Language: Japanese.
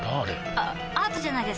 あアートじゃないですか？